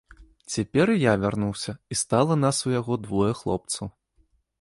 Цяпер і я вярнуўся, і стала нас у яго двое хлопцаў.